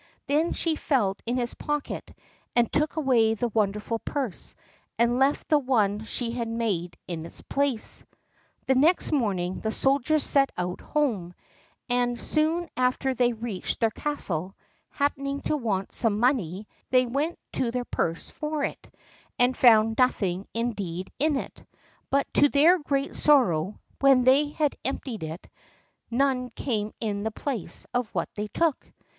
Then she felt in his pocket, and took away the wonderful purse, and left the one she had made in its place. The next morning the soldiers set out home; and soon after they reached their castle, happening to want some money, they went to their purse for it, and found something indeed in it; but to their great sorrow, when they had emptied it, none came in the place of what they took.